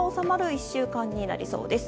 １週間になりそうです。